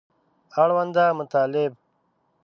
اړونده مطالب